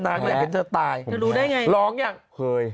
หน้ายังอยากเห็นเธอตายแน่ลองอย่างเคย